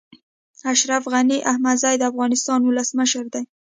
اشرف غني احمدزی د افغانستان ولسمشر دی